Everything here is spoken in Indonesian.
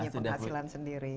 sudah punya penghasilan sendiri